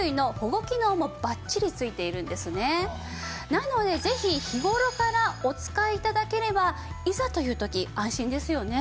なのでぜひ日頃からお使い頂ければいざという時安心ですよね。